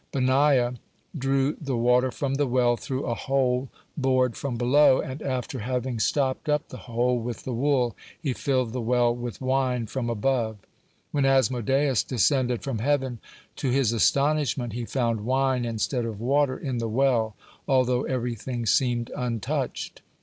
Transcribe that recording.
Benaiah drew the water from the well through a hole bored from below, and, after having stopped up the hole with the wool, he filled the well with wine from above. When Asmodeus descended from heaven, to his astonishment he found wine instead of water in the well, although everything seemed untouched.